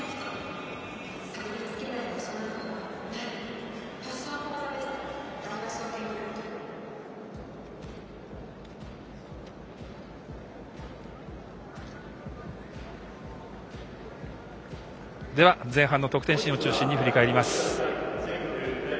では、前半の得点シーンを中心に振り返ります。